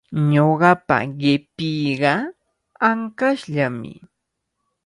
Ñuqapa qipiiqa ankashllami.